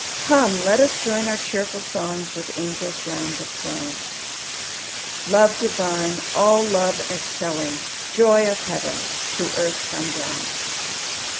"Come, let us join our cheerful songs With angels round the throne." "Love divine, all love excelling; Joy of heaven, to earth come down."